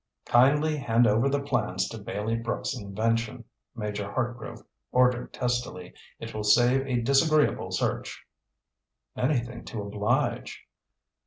"Kindly hand over the plans to Bailey Brooks' invention," Major Hartgrove ordered testily. "It will save a disagreeable search." "Anything to oblige."